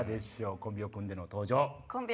コンビを組んでの登場。